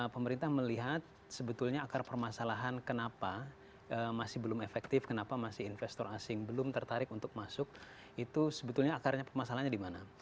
pemerintah melihat sebetulnya akar permasalahan kenapa masih belum efektif kenapa masih investor asing belum tertarik untuk masuk itu sebetulnya akarnya permasalahannya di mana